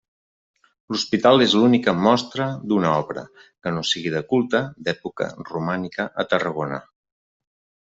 L'hospital és l'única mostra d’una obra, que no sigui de culte, d’època romànica a Tarragona.